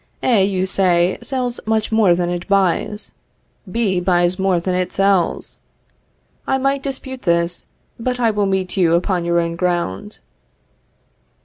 A, you say, sells much more than it buys; B buys more than it sells. I might dispute this, but I will meet you upon your own ground.